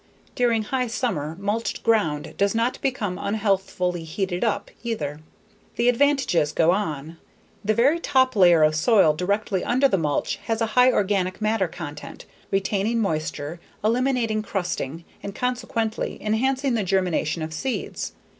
During high summer, mulched ground does not become unhealthfully heated up either. The advantages go on. The very top layer of soil directly under the mulch has a high organic matter content, retaining moisture, eliminating crusting, and consequently, enhancing the germination of seeds.